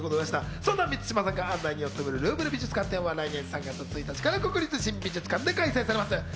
そんな満島さんが案内人を務める「ルーヴル美術館展」は来年３月１日から国立新美術館で開催されます。